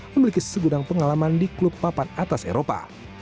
memiliki segudang pengalaman di klub papan atas eropa